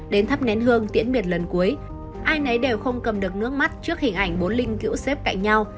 đến thắp nén hương tiễn biệt lần cuối ai nấy đều không cầm được nước mắt trước hình ảnh bốn linh cữu xếp cạnh nhau